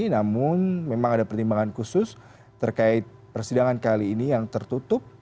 namun memang ada pertimbangan khusus terkait persidangan kali ini yang tertutup